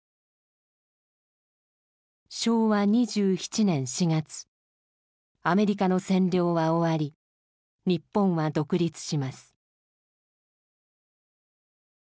昭和２７年４月アメリカの占領は終わり日本は独立します。